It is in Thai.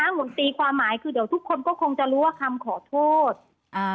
หมุนตีความหมายคือเดี๋ยวทุกคนก็คงจะรู้ว่าคำขอโทษอ่า